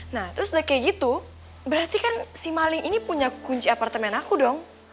nah terus udah kayak gitu berarti kan si maling ini punya kunci apartemen aku dong